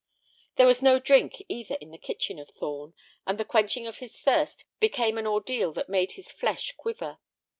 There was no drink either in the kitchen of Thorn, and the quenching of his thirst became an ordeal that made his flesh quiver.